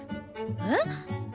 えっ？